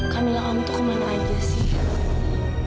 kamilah kamu tuh kemana aja sih